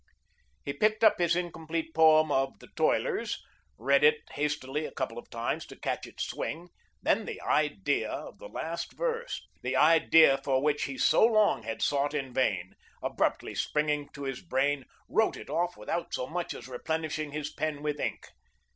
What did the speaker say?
He picked up his incomplete poem of "The Toilers," read it hastily a couple of times to catch its swing, then the Idea of the last verse the Idea for which he so long had sought in vain abruptly springing to his brain, wrote it off without so much as replenishing his pen with ink.